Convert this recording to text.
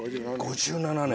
５７年。